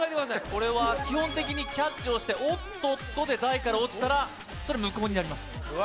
これは基本的にキャッチをしておっとっとで台から落ちたらそれ無効になります